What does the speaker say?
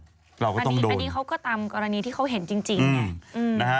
อันนี้เขาก็ตามกรณีที่เขาเห็นจริงไง